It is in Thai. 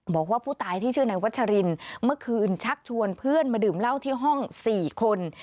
บอกว่าผู้ตายที่ชื่อนายวัชรินเมื่อคืนชักชวนเพื่อนมาดื่มเหล้าที่ห้อง๔คน